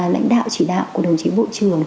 lãnh đạo chỉ đạo của đồng chí bộ trưởng